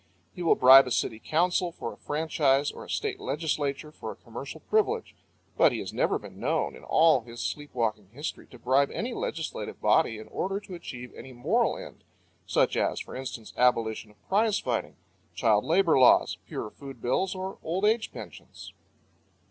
He will bribe a city council for a franchise or a state legislature for a commercial privilege; but he has never been known, in all his sleep walking history, to bribe any legislative body in order to achieve any moral end, such as, for instance, abolition of prize fighting, child labour laws, pure food bills, or old age pensions.